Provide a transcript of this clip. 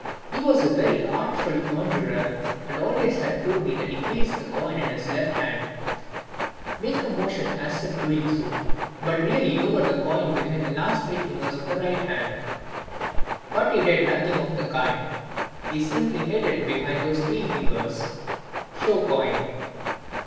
He was a very artful conjurer and always told me that he placed the coin in his left hand" (make a motion as if doing so, but really lower the coin behind the last three fingers of the right hand), "but he did nothing of the kind; he simply hid it behind those three fingers" (show coin).